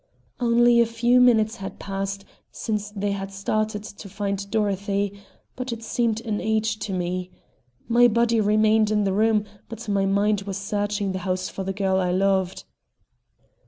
Only a few minutes had passed since they had started to find Dorothy, but it seemed an age to me. My body remained in the room, but my mind was searching the house for the girl I loved.